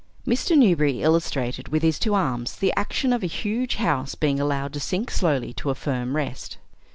Mr. Newberry illustrated with his two arms the action of a huge house being allowed to sink slowly to a firm rest.